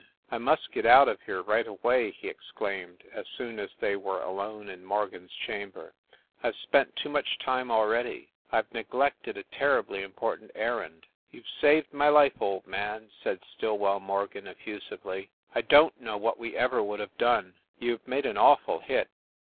"I must get out of here right away!" he ex claimed, as soon as they were alone in Morgan s chamber. "I ve spent too much time already I ve neglected a terribly important errand." "You ve saved my life, old man," said Stillwell Morgan, effusively. "I don t know what we ever would have done. You ve made an awful hit.